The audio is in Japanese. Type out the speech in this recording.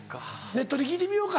ネットに聞いてみようか。